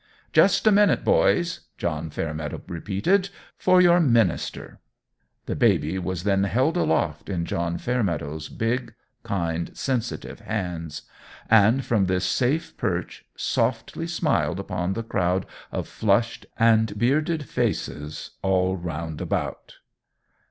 "Just a minute, boys," John Fairmeadow repeated, "for your minister!" The baby was then held aloft in John Fairmeadow's big, kind, sensitive hands, and from this safe perch softly smiled upon the crowd of flushed and bearded faces all roundabout.